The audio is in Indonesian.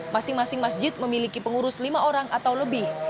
masing masing masjid memiliki pengurus lima orang atau lebih